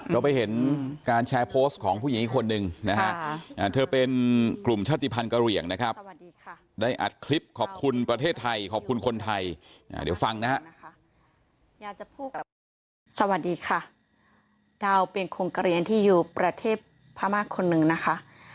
ดาวเป็นคนกระเรียนที่อยู่ประเทศพม่าคนหนึ่งนะคะ